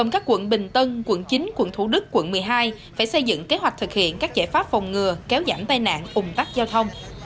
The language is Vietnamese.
một trăm linh các quận bình tân quận chín quận thủ đức quận một mươi hai phải xây dựng kế hoạch thực hiện các giải pháp phòng ngừa kéo giảm tai nạn ủng tắc giao thông